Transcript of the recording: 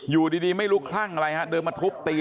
อยู่ดีไม่รู้คลั่งอะไรฮะเดินมาทุบตี